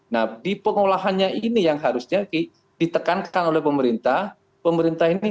nah di pengolahannya ini yang harusnya ditekankan oleh pemerintah pemerintah ini